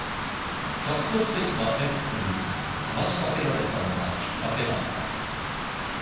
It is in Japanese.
客として来たＸに、話しかけられたのがきっかけだった。